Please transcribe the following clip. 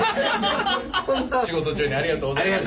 仕事中にありがとうございました。